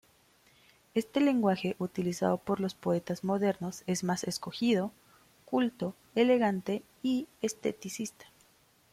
Este lenguaje utilizado por los poetas modernos es más escogido, culto, elegante y esteticista.